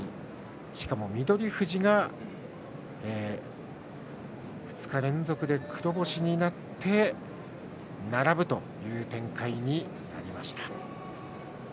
しかも、翠富士が２日連続で黒星になって並ぶという展開になりました。